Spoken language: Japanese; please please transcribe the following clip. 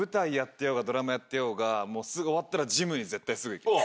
てようがドラマやってようが終わったらジムに絶対すぐ行きます。